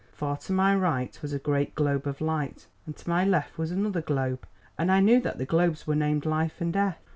Far to my right was a great globe of light, and to my left was another globe, and I knew that the globes were named Life and Death.